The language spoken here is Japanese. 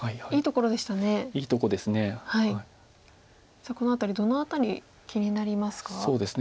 さあこの辺りどの辺り気になりますか？